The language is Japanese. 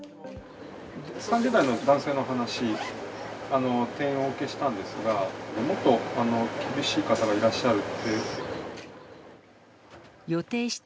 ３０代の男性の話、転院をお受けしたんですが、もっと厳しい方がいらっしゃるって。